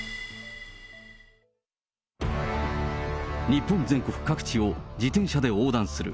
日本全国各地を自転車で横断する。